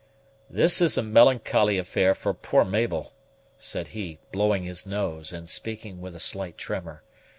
"This is a melancholy affair for poor Mabel," said he, blowing his nose, and speaking with a slight tremor.